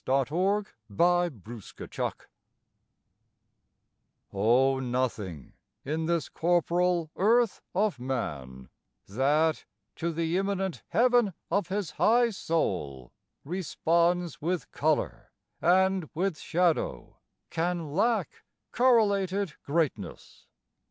CORRELATED GREATNESS O nothing, in this corporal earth of man, That to the imminent heaven of his high soul Responds with colour and with shadow, can Lack correlated greatness.